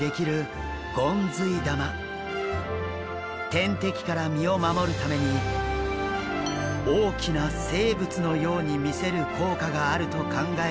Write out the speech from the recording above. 天敵から身を守るために大きな生物のように見せる効果があると考えられています。